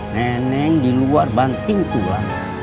neneng di luar banting tuhan